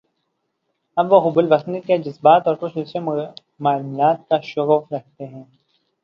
اب وہ حب الوطنی کے جذبات اور کچھ دوسرے معاملات کا شغف رکھتے ہیں۔